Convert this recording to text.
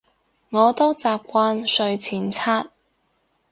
我都習慣睡前刷